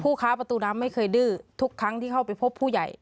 ค้าประตูน้ำไม่เคยดื้อทุกครั้งที่เข้าไปพบผู้ใหญ่